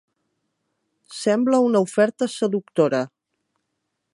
Sembla una oferta seductora.